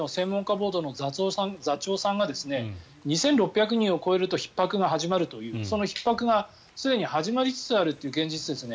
ボードの座長さんが２６００人を超えるとひっ迫が始まるというそのひっ迫がすでに始まりつつあるという現実ですね。